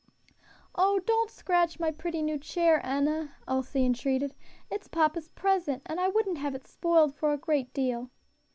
"Oh! don't scratch my pretty new chair, Enna!" Elsie entreated; "it is papa's present, and I wouldn't have it spoiled for a great deal."